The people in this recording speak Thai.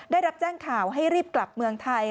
ได้รับแจ้งข่าวให้รีบกลับเมืองไทย